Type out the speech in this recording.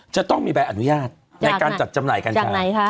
จะต้องมีใบอนุญาตในการจัดจำหน่ายกัญชา